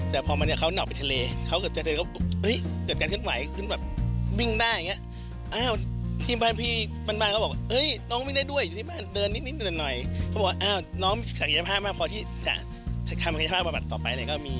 แต่พอเขาหนอไปทะเลเขาเกิดเจอเขาก็